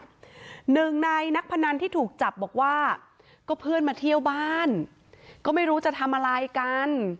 หนึ่งในนักพนันที่ถูกจับบอกว่าก็เพื่อนมาเที่ยวบ้านก็ไม่รู้จะทำอะไรกัน